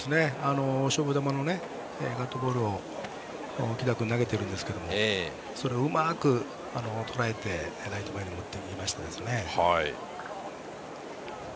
勝負球のところを木田君は投げているんですがそれをうまくとらえてライト前に持っていきましたね。